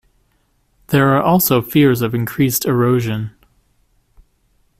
There are also fears of increased erosion.